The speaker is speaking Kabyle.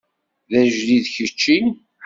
D ajdid kečči?